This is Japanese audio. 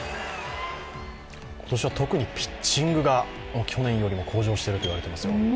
今年は特にピッチングが去年よりも向上していると言われています。